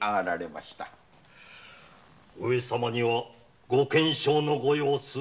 上様にはご健勝のご様子